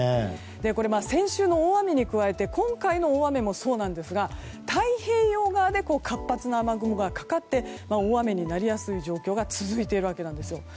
これは先週の大雨に加えて今回の大雨もそうなんですが太平洋側で活発な雨雲がかかって大雨になりやすい状況が続いているわけなんですよ。